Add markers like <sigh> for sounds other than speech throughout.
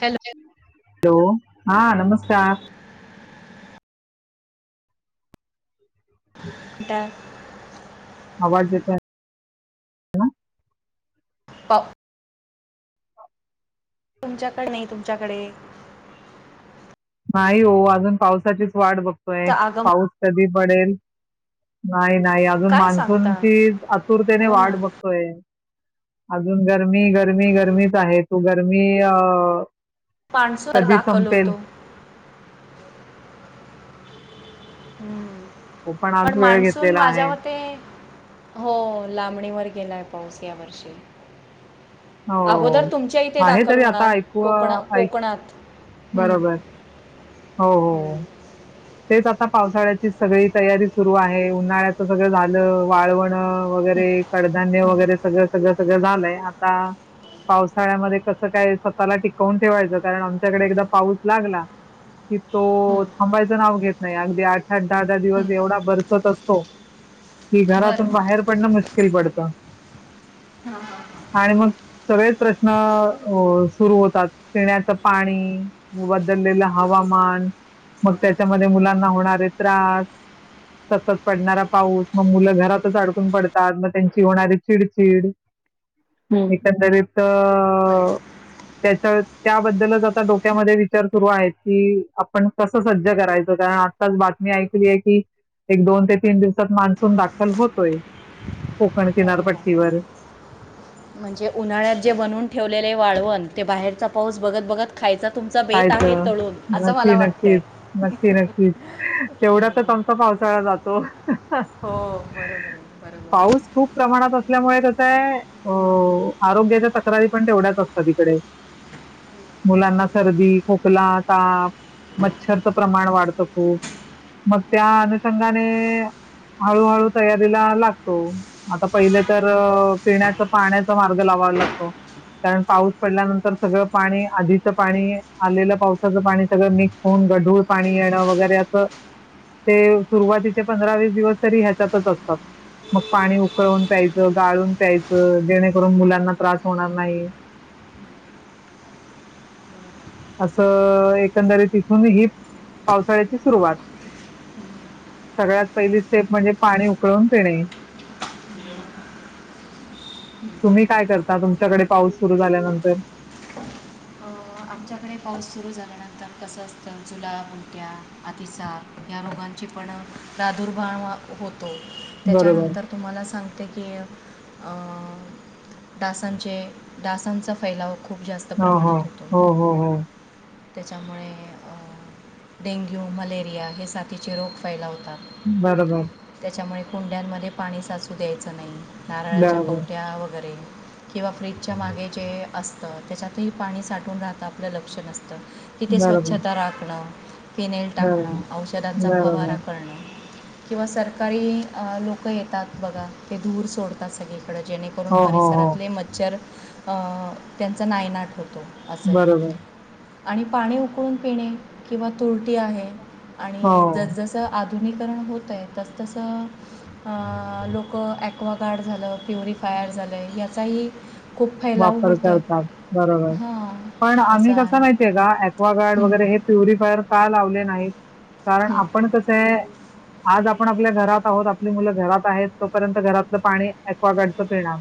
Hello hello हा नमस्कार. द. आवाज येत ना. प. तुमच्याकडे नाही तुमच्याकडे. नाही हो अजून पावसाचीच वाट बघतोय तर आगमन पाऊस कधी पडेल. नाही नाही अजून काय सांगता मान्सूनची आतुरतेने हो ना वाट बघतोय. अजून गरमी गर्मी गरमीच आहे, तू गरमी अ. पानसर दाखवलंते होतो. हम्म तो पण आज वेळ मानसून घेतलेला आहे माझ्या मते. हो लांबणीवर गेलाय पाऊस या वर्षी. हो अगोदर तुमच्या इथे आहे दाखल तरी आता होणार ऐकू कोक ऐक कोकणात. हम्म, बरोबर हो हो. हम्म. तेच आता पावसाळ्याची सगळी तयारी सुरू आहे, उन्हाळ्याच सगळं झालं वाळवण. वगैरे कडधान्य हम्म, वगैरे सगळं सगळं सगळं झालंय आता. पावसाळ्यामध्ये कसं काय स्वतःला टिकवून ठेवायचं, कारण आमच्याकडे एकदा पाऊस लागला. कि हम्म, तो थांबायचं नाव घेत नाही, अगदी आठ, आठ दहा, दहा दिवस हम्म. एवढा बरसत असतो. कि बरं घरातून बरं बाहेर पडणं मुश्किल पडत. हां, हां. आणि मग सगळेच प्रश्नन. अ सुरू होतात पिण्याचं पाणी बदललेलं हवामान. मग त्याच्यामध्ये मुलांना होणारे त्रास. सतत पडणारा पाऊस मग मुलं घरातच अडकून पडतात मग त्यांची होणारी चिडचिड. हम्म. एकंदरीत अ त्याच्या त्याबद्दलच आता डोक विचार सुरू आहेत की, आपण कसं कसं करायचं कारण आत्ताच बातमी ऐकली आहे की, एक दोन ते तीन दिवसात मान्सून दाखल होतोय. कोकण हो हो किनारपट्टीवर. म्हणजे उन्हाळ्यात जे बनून ठेवलेले वाळवण ते बाहेरचा पाऊस बघत, बघत खायचा. तुमचा बेत कायच आहे तळून असं नक्की, मला वाटतंय नक्कीच, नक्की, नक्कीच तेवढा आमचा पावसाळा जातो. हो हम्म हो बरोबर आहे हम्म बरोबर आहे पाऊस खूप प्रमाणात असल्यामुळे. <unintelligible> आरोग्याच्या तक्रारी पण तेवढ्याच असतात तिकडे मुलांना सर्दी खोकला ताप मच्छरचं प्रमाण वाढत. खूप मग त्या अनुंगाने हळूहळू तयारीला लागतो. आता पहिले तर पिण्याच पाण्याचा मार्ग लाव वायला लागतो. कारण पाऊस पडल्यानंतर सगळं पाणी आधीच पाणी आलेलं पावसाचं पाणी सगळं मिक्स होऊन गढूळ पाणी येणं वगैरे असं ते सुरुवातीचे पंधरा वीस दिवस तरी ह्याच्यातच असतात. मग पाणी उकळून प्यायचं, गाळून प्यायचं जेणेकरून मुलांना त्रास होणार नाही. <inaudible> असं एकंदरी तिथून ही पावसाळ्याची सुरुवात सगळ्यात पहिली स्टेप म्हणजे पाणी उकळवून पिणे. तुम्ही काय करता तुमच्याकडे पाऊस सुरू झाल्यानंतर हो. आमच्याकडे पाऊस सुरू झाल्यानंतर कसं असतं जुलाब, उलट्या, आतिसार या रोगांचा पण प्रादुर्भाव होतो. बरोबर. त्याच्यानंतर तुम्हाला सांगते की, अ अ डासांचे डासांचा फैलाव खूप जास्त हो हो प्रमाणात होतो हो हो हो हो त्याच्यामुळे अ डेंग्यू, मलेरिया हे साथीचे रोग फैलावतात. बरोबर. त्यामुळे कुंड्यांमध्ये पाणी साचू द्यायचं नाय. नारळाच्या बरोबर, कवट्या वगैरे किंवा फ्रीजच्या मागे जे असतं त्याच्यातही पाणी साठून राहता आपलं लक्ष नस त तिथे बरोबर, स्वच्छता राखणं. फिनेल टाकणं. बरोबर, औषधांचा फवारा बरोबर. करणं. किंवा सरकारी अ लोकं येतात बघा ते धूर सोडतात सगळे कडे जेणेकरून हो, हो, हो. परिसरातले मच्छर अ त्यांचा नायनाट होतो असंय. बरोबर. आणि पाणी उकळून पिणे. किंवा तुरटी आहे. आणि हो, जसजसं आधुनिक करण होतय तस तस अ लोक ऍकवा गार्ड झालं. प्युरिफायर झालं. याचाही खूप फैलाव वापर होतोय. करतात. बरोबर. हा पण आम्ही कसं माहिती ये का ऍक्वागार्ड वगैरे हे प्युरिफायर का लावले नाहीत. कारण हं, आपण तसे आज आपण आपल्या घरात आहोत. आपली मुलं घरात आहेत. तोपर्यंत घरातलं पाणी ऍक्वागार्डचं पिणार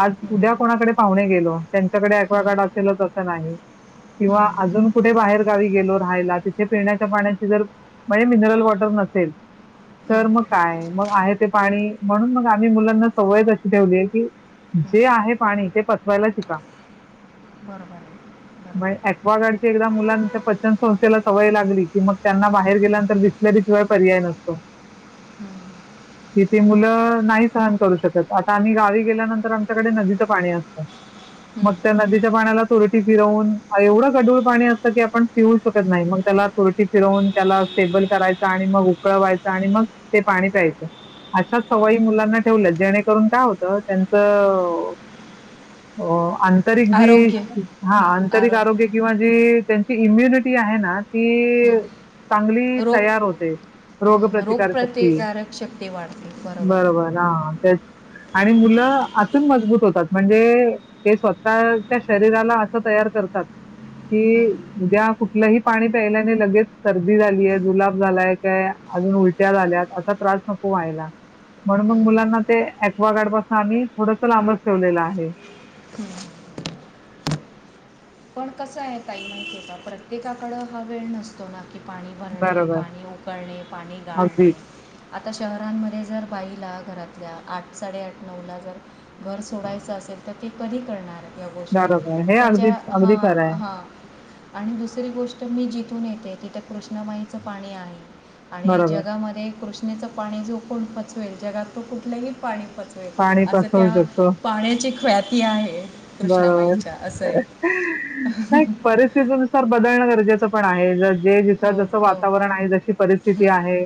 आज उद्या हं, कोणाकडे पाहुणे गेलो. त्यांच्याकडे हं, ऍक्वागार्ड असेल असं नाही किंवा हं, अजून कुठे बाहेर गावी गेलो. रायला तिथे पिण्याच्या पाण्याची जर म्हणजे मिनरल वॉटर नसेल हं, तर मग काय मग आहे ते पाणी म्हणून मग आम्ही मुलांना सवयचं अशी ठेवली ये की हं. जे आहे पाणी ते पचवायला शिका. बरोबर ये. मग ऍक्वागार्डची एकदा मुलांच्या पचनसंस्थेला सवय लागली की मग त्यांना बाहेर गेल्यानंतर दिसल <unintelligible> पर्याय नसतो. हम्म की ते मुलं नाही सहन करू शकत. आता आम्ही गावी गेल्यानंतर आमच्याकडे नदीच पाणी अस <inaudible> मग त्या नदीच्या पाण्याला तुरटी फिरवून एवढं गडूळ पाणी असतं की आपण पिऊू शकत नाही मग त्याला- तुरटी फिरवून त्याला स्टेबल करायच आणि मग उकळवायच आणि मग ते पाणी प्यायच. अशाच सवयी मुलांना ठेवल्यात जेणेकरून काय होतं त्यांचं- अ आंतरिक जी आरोग्य हा आंतरिक आरोग्य किंवा जी त्यांची इम्युनिटी आहे ना ती हं. चांगली रोग तयार होते. रोग हं, प्रतिकारशक्ती रोगप्रतिकारक शक्ती वाढते आहे बरोबर हा तेच आणि मुलं आतून मजबूत होतात. म्हणजे ते स्वतःच्या शरीराला असं तयार करतात. की हं, उद्या कुठलंही पाणी प्यायल्याने लगेच सर्दी झालीय जुलाब झालाय काय अजून उलट्या झाल्यात असा त्रास नको व्हायला. म्हणून मग हं. मुलांना ते क्वागारड पासन आम्ही थोडंस लांब- ठेवलेला आहे. क आहे त मा होता प्रत्येकाकड हा वेळ नसतो ना- पणी भरणे बरोबर, पणी उकडणे पाणी गाढणे. अगदी आता शहरांमध्ये जर बाईला- घरातल्या आठ साडेआठ नऊला जर घर सोडायचं असेल तर ते कधी करणार आहे. द हे अगदी अगदी खर आहे. हा आणि दुसरी गोष्ट मी जिथून येते तिथं कृष्णाबाईचं पाणी आहे. आणि बरोबर. जगामध्ये कृष्णेच पाणी जो कोण पचवेल जगातल तो कुठल्याही पाणी- च पाणी असं पचवू त्या शकतो. पाण्याची ख्व्याती आहे. बरोबर कृष्णामाईच्या असं आहे नाही परिस्थिती स- बदलणं गरजेचं पण आहे. जे जिथ हो जस हो वातावरण आहे जशी परिस्थिती हं, आहे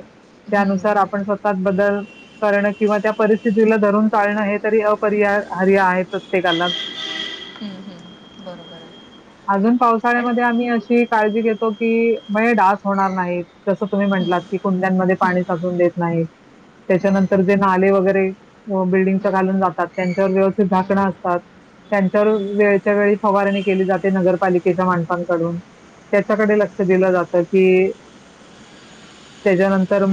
हं, त्यानुसार आपण स्वत बदल- करण किंवा त्या परिस्थितीला धरून चाळणं हे तरी अपरियाय आहे प्रत्येकाला. हम्म हम्म बरोबर आहे. अजून आणि पावसाळ्यामध्ये आम्ही अशी काळजी घेतो की म्हंजे डास होणार नाही जसं तुम्ही म्हण- म्ह हं, की कुंडमध्ये हं, पाणी हं, साचून देत नाही. हं, त्याच्यानंतर जे नाले वगैरे बिल्डिंगच्या हं, घालून जातात त्यांच्यावर व्यवस्थित हं, झाकणं असतात. त्यांच्यावर वेळच्या वेळी फवारणी केली जाते नगरपालिकेच्या माणसांकडून- त्याच्याकडे हं. लक्ष दिलं जातं की- <inaudible> त्याच्यानंतर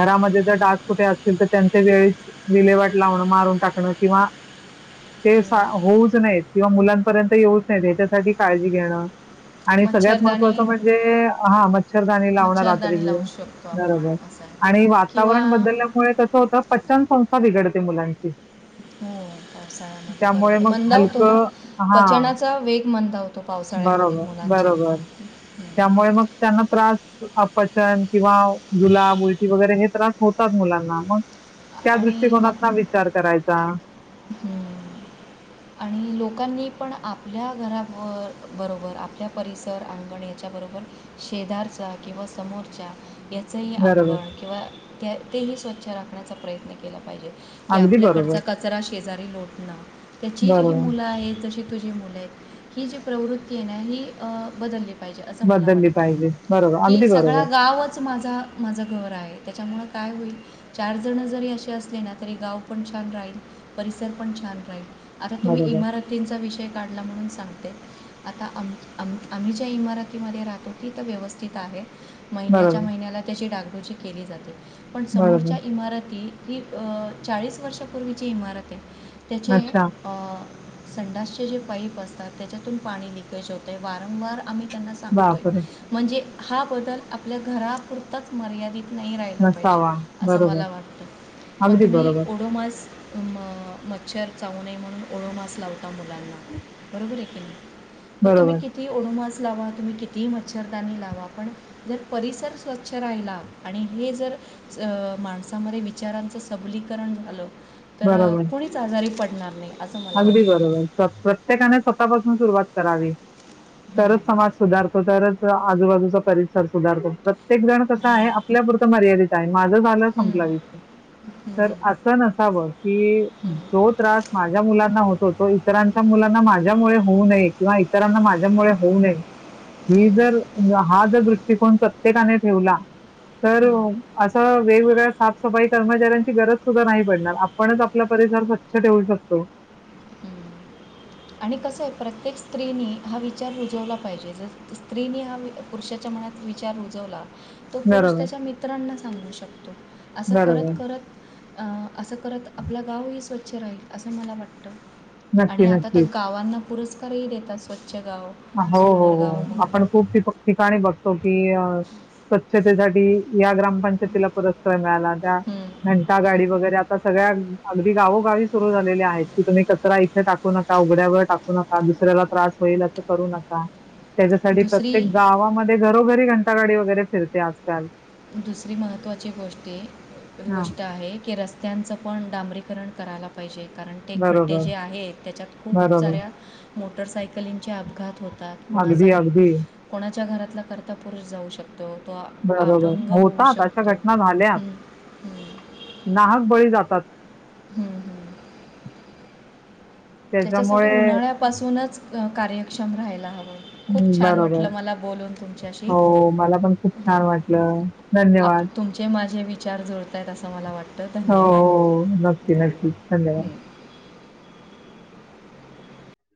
घरामध्ये जर डास कुठे असतील तर त्यांच्या वेळीच विलेवाट लावण मारून टाक- किंवा ते हो- किंवा मुलांपर्यंत येऊच नाही त्याच्यासाठी काळजी घेणं- आणि सगळ्यात मच्छरदाणी महत्त्वाचं म्हणजे हा म- मछरधनी लावणं रात्रीची मच्छरदाणी लावू शकतो घरो घर आपण बरोबर असं आणि आहे किंवा वातावरण बदलल्यामुळे कसं होतं. पच्चनसंस्था बिघडते मुलांची- हो पावसाळ्यामध्ये त्यामुळे मग बरोबर म- हलकं हा पचनाचा वेग मंदावतो पावसाळ्यामध्ये बरोबर मुलां- बरोबर त्यामुळे मग- त्यांना त्रास अपचन किंवा जुला उलटी वगैरे हे त्रास होतात मुलांना मग- त्या आणि दृष्टिकोनात ना विचार करायचा. हम <inaudible> लोकांनी पण आपल्या घराब बरोबर आपल्या परिसर अंगण याच्याबरोबर- शेजारचा किंवा समोरच्या. याचंही बरोबर अंगण किंवा त्या तेही स्वच्छ राखण्याचा प्रयत्न केला पाहिजे. की अगदी बरोबर आपल्याकडचा कचरा शेजारी लोटुणं लावण त्याची जी ही बरोबर मुलं आहेत जशी तुझी मुलं आहेत. ही जी प्रवृत्ती आहे ना ही अ बदलली पाहिजे. पाहिजे असं मला बदलली वाटतं पाहिजे बरोबर की अगदी सगळा बरोबर गावच माझं माझं घर आहे. त्यांच्यामुळ काय होईल चार जण जरी असे असले ना तरी गाव पण छान राहील परिसर पण छान छान राहील आता तुम्ही बरोबर इमारतींचा विषय म्हणून सांगते आता आमच्या आम्ही ज्या इमारतीमध्ये राहतो ती तर व्यवस्थित आहे. महिन्याच्या बरोबर महिन्याला त्याची डागडोजी केली जाते पण समोरच्या बरोबर इमारती ही अ चाळीस वर्षापूर्वीची इमारत आहे. त्याचे अच्छा. अ, संडासचे जे पाईप असतात त्याच्यातून पाणी लिकेज होतं वारंवार आम्ही त्यांना सांगतोय बापरे म्हणजे हा बदल आपल्या घरापुरताच मर्यादित नाही राहिला पाहिजे नसावा असं बरोबर मला वाटतं मग अगदी तुम्ही बरोबर ओडोमास. म मच्छर चावू नये म्हणून ओळू मास लावता मुलांना. हम् मग तुम्ही किती <inaudible> ओडमास लावा तुम्ही कितीही मच्छरदानी लावा पण जर परिसर स्वच्छ राहिला आणि हे जर अ माणसामध्ये विचारांचं सबलीकरण झालं तर बरोबर कोणीच आजारी पडणार नाही असं मला अगदी वाटतं बरोबर प्रत्येकाने स्वतःपासून सुरुवात करावी हं, तरच समाज सुधारतो तरच आजूबाजूचा परिसर सुधारतो प्रत्यक प्रत्येक जण कसं आहे आपल्यापुरतं मर्यादित आहे माझं झालं हं, संपला विषय तर हं, असं नसावं की हं, जो त्रास माझ होतो इतरांच्या मुलांना माझ्यामुळे होऊ नये किंवा इतरांना माझ्यामुळे होऊ नये हं, ही जर हा जर दृष्टिकोन प्रत्येकाने ठेवला तर हं, असं वेगवेगळ्या साफसफाई कर्मचाऱ्यांची गरज सुद्धा नाही पडणार आपणच आपल्या परिसर स्वच्छ ठेवू शकतो हं. आणि कसं आहे प्रत्येक स्त्रीनी हा विचार रुजवला पाहिजे ज स्त्रीनी हा पुरुषाच्या मनात विचार रुजवला तो पुरुष बरोबर त्याच्या मित्रांना सांगू शकतो असं करत बरोबर करत अ असं करत आपलं गावही स्वच्छ राहील असं मला वाटतं नक्की- नक्कीच भावांना पुरस्कारही देतात स्वच्छ गाव हो -हो- सुंदर हो गाव म्हणून आपण खूप ठिकाणी बघतो कि अ स्वच्छतेसाठी या ग्रामपंचायतीला पुरस्कार मिळाला त्या हम्म, घंटा गाडी हम्म. वगैरे आता सगळ्या अगदी गावोगावी सुरू झालेली आहेत की तुम्ही कचरा इथे टाकू नका उघड्यावर टाकू नका दुसऱ्याला त्रास होईल असं करू नका त्याच्यासाठी दुसरी प्रत्येक गावामध्ये घरोघरी घंटागाडी वगैरे फिरते आजकाल दुसरी महत्वाची गोष्टी हां. गोष्ट आहे क रस् रत्यांचं पण डांबरीकरण करायला पाहिजे कारण ते खड्डे बरोबर, जे आहेत त्याच्यात खूप बरोबर. साऱ्या मोटरसायकलींचे अपघात होते अगदी, अगदी. कोणाच्या घरातला करता पुरुष जाऊ शकतो तो बरोबर. अपंग होऊ होतात अशा शकतो घटना झाल्या हं, हं, <inaudible> नाहक बळी जातात हम्म- हम्म त्याच्यासाठी त्याच्यामुळे उन्हाळ्यापासूनच कार्यक्षम राहायला हवा ह् बरोबर तुमच्याशी हो मला पण खूप हं. छान वाटलं धन्यवाद तुमचे माझे विचार जुळतात असं मला वाटतं हो धन्यवाद -हो नक्की- नक्की धन्यवाद